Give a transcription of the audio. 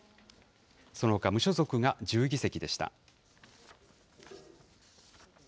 そのほか、無所属が１０議席でした。